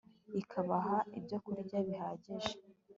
ikabaha ibyo kurya bihagije